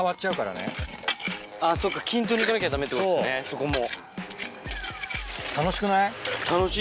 そこも。